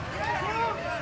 tidak ada yang bisa dihukum